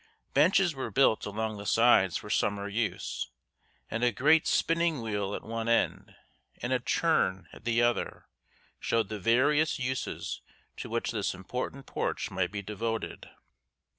Benches were built along the sides for summer use, and a great spinning wheel at one end and a churn at the other showed the various uses to which this important porch might be devoted.